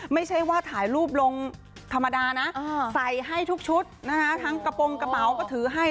ไม่ใช่ว่าถ่ายรูปลงธรรมดานะใส่ให้ทุกชุดนะคะทั้งกระโปรงกระเป๋าก็ถือให้